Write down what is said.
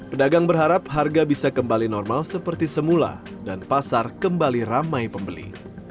pedagang berharap harga bisa kembali normal seperti semula dan pasar kembali ramai pembeli